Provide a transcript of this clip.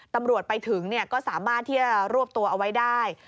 ตำรวจไปถึงก็สามารถที่จะรวบตัวเอาไว้ได้